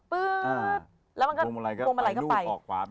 มุมอลัยก็ไป